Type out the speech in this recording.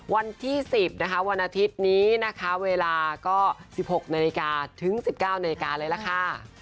วันที่สิบนะค่ะวันอาทิตย์นี้นะคะเวลาก็๑๖นถึง๑๙นเลยล่ะค่ะ